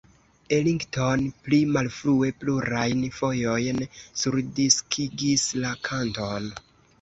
Ellington pli malfrue plurajn fojojn surdiskigis la kanton.